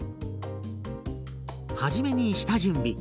はじめに下準備。